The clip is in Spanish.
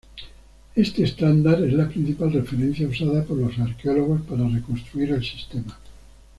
Este estándar es la principal referencia usada por los arqueólogos para reconstruir el sistema.